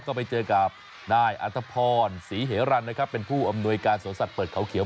ก็ไปเจอกับนายอัตภพรศรีเหรันนะครับเป็นผู้อำนวยการสวนสัตว์เปิดเขาเขียว